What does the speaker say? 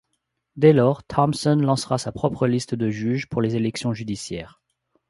Dès lors Thompson lancera sa propre liste de juges pour les élections judiciaires.